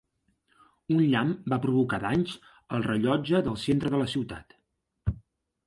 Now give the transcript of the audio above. Un llamp va provocar danys al rellotge del centre de la ciutat.